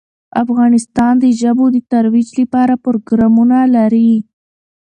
افغانستان د ژبو د ترویج لپاره پروګرامونه لري.